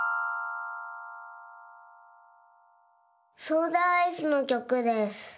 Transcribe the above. ソーダアイスのきょくです。